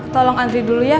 tolong antri dulu ya